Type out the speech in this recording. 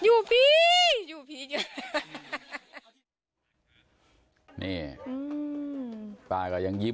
อยู่พรีอยู่พรี